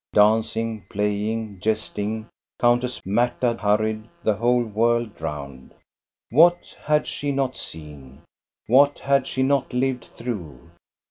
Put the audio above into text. Dancing, playing, jesting, Countess Marta hurried the whole world round. What had she not seen, what had . she not lived through